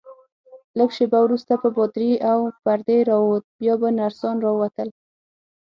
لږ شیبه وروسته به پادري له پردې راووت، بیا به نرسان راووتل.